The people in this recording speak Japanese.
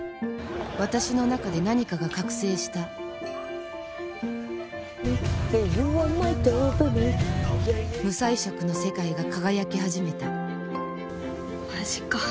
私の中で何かが覚醒した無彩色の世界が輝き始めたマジか。